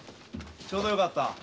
ちょうどよかった。